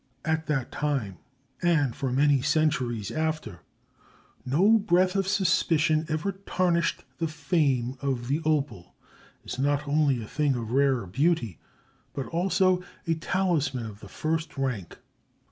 At that time, and for many centuries after, no breath of suspicion ever tarnished the fame of the opal as not only a thing of rare beauty, but also a talisman of the first rank.